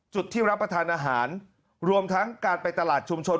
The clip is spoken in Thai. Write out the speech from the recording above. ที่รับประทานอาหารรวมทั้งการไปตลาดชุมชน